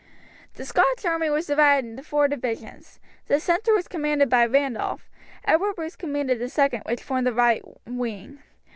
The Scotch army was divided into four divisions. The centre was commanded by Randolph. Edward Bruce commanded the second, which formed the right wing.